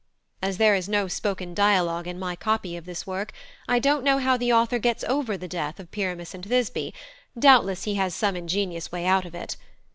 As there is no spoken dialogue in my copy of this work, I don't know how the author gets over the death of Pyramus and Thisbe: doubtless he has some ingenious way out of it.